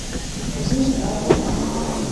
母亲是华阳院。